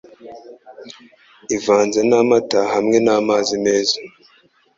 ivanze n’amata hamwe n’amazi meza